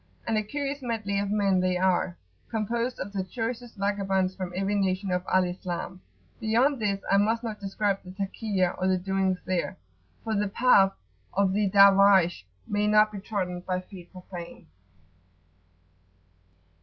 And a curious medley of men they are, composed of the choicest vagabonds from every nation of Al Islam. Beyond this I must not describe the Takiyah or the doings there, for the "path" of the Darwaysh may not be trodden by feet profane.